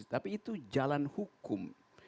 tapi itu jalan hukum